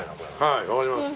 はい分かります。